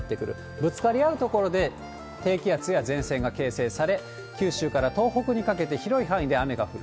ぶつかり合う所で低気圧や前線が形成され、九州から東北にかけて、広い範囲で雨が降る。